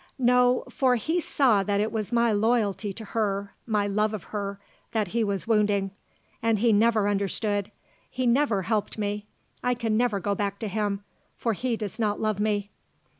"No, for he saw that it was my loyalty to her my love of her that he was wounding. And he never understood. He never helped me. I can never go back to him, for he does not love me."